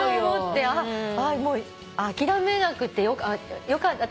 諦めなくてよかった。